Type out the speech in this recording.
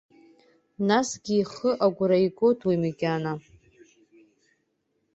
Насгьы, ихы агәра игоит уи макьана.